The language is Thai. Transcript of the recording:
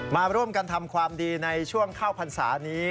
มาร่วมกันทำความดีในช่วงเข้าพรรษานี้